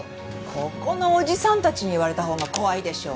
ここのおじさんたちに言われたほうが怖いでしょうが。